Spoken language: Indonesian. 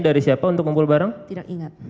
dari siapa untuk kumpul bareng tidak ingat